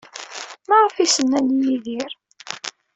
Maɣef ay as-nnan i Yidir?